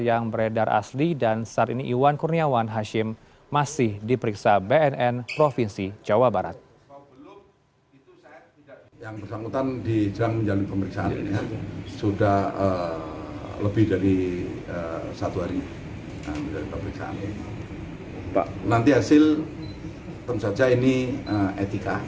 yang beredar asli dan saat ini iwan kurniawan hashim masih diperiksa bnn provinsi jawa barat